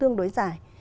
cũng tương đối dài